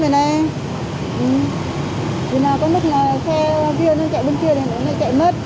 thì nó có lúc xe kia nó chạy bên kia thì nó lại chạy mất